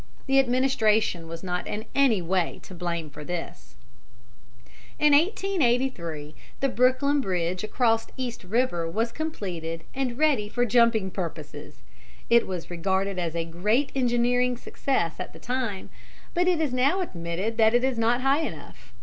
The administration was not in any way to blame for this. In 1883 the Brooklyn Bridge across East River was completed and ready for jumping purposes. It was regarded as a great engineering success at the time, but it is now admitted that it is not high enough.